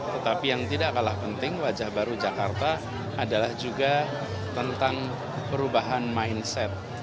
tetapi yang tidak kalah penting wajah baru jakarta adalah juga tentang perubahan mindset